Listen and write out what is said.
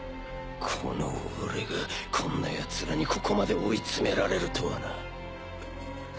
この俺がこんなヤツらにここまで追いつめられるとはな。